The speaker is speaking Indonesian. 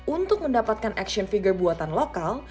untuk mendapatkan action figure buatan lokal